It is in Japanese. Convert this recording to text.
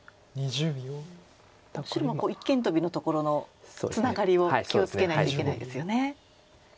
白は一間トビのところのツナガリを気を付けないといけないですよね。